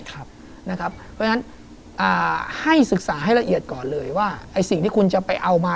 เพราะฉะนั้นให้ศึกษาให้ละเอียดก่อนเลยว่าสิ่งที่คุณจะไปเอามา